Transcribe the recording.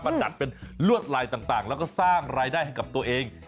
จัดเป็นลวดลายต่างแล้วก็สร้างรายได้ให้กับตัวเอง